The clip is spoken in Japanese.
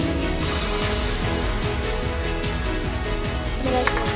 お願いします。